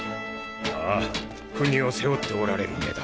ああ国を背負っておられる目だ。